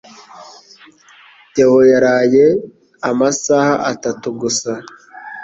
Theo yaraye amasaha atatu gusa.